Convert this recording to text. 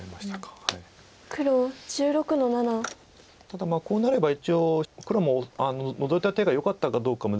ただこうなれば一応黒もノゾいた手がよかったかどうか難しいです。